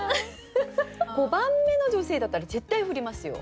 ５番目の女性だったら絶対振りますよ。